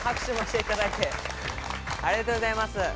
ありがとうございます。